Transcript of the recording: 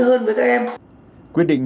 hơn với các em quyết định